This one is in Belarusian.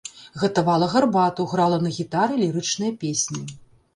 Гатавала гарбату, грала на гітары лірычныя песні.